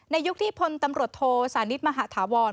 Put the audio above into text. ในยุคที่พลตำรวจโทษศาลนิษฐ์มหาฐาวร